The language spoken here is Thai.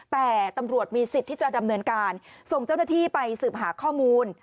แต่ตำรวจมีสิทธิ์ที่จะดำเนินการส่งเจ้าหน้าที่ไปสืบหาข้อมูล